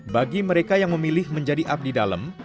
bagi mereka yang memilih menjadi abdi dalam